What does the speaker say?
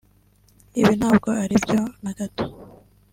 “Ibi ntabwo ari byo na gato